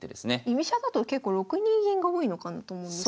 居飛車だと結構６二銀が多いのかなと思うんですが。